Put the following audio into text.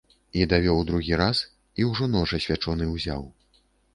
І давёў другі раз, і ўжо нож асвячоны ўзяў.